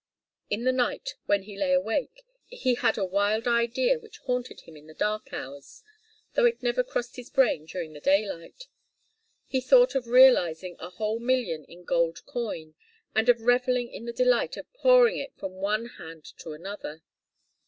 In the night, when he lay awake, he had a wild idea which haunted him in the dark hours, though it never crossed his brain during the daylight. He thought of realizing a whole million in gold coin, and of revelling in the delight of pouring it from one hand to another.